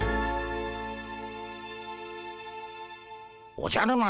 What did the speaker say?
おじゃる丸